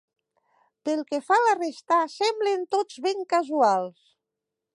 Pel que fa a la resta, semblen tots ben casuals.